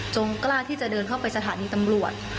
กล้าที่จะเดินเข้าไปสถานีตำรวจ